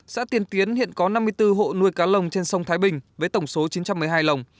xã tiền tiến hiện có năm mươi bốn hộ nuôi cá lồng trên sông thái bình với tổng số chín trăm một mươi hai lồng